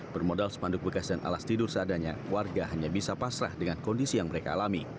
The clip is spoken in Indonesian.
bermodal sepanduk bekas dan alas tidur seadanya warga hanya bisa pasrah dengan kondisi yang mereka alami